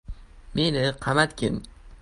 Meni qamatgin.